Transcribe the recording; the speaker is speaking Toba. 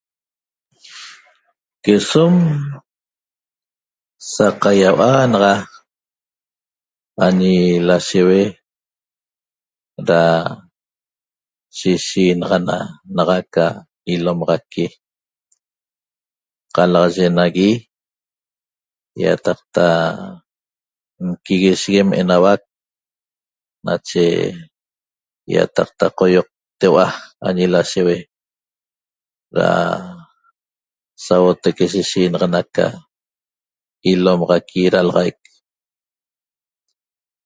quesom sacahiahua naga añi lasheguee' da shi sheraxnaxana eca ilomaxaqui calaxaye nagui iataqta nquiguishiguem enahuac nache iotaqta coyoqtohua añi lasheue da sa huotaque ca shixnaxana elomaxaqui dalaxaiq